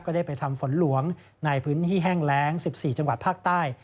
ได้ไปทำฝนหลวงในพื้นที่แห้งแรง๑๔จังหวัดภาคใต้